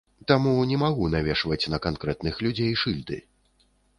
Таму не магу навешваць на канкрэтных людзей шыльды.